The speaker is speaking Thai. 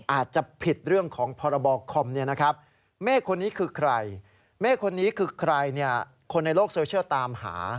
อาจจะผิดเรื่องของพรบคอมเนี่ยนะครับเมฆคนนี้คือใครคนในโลกโซเชียลตามหา